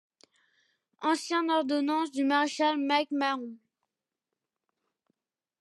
Ancien ordonnance du maréchal Mac Mahon.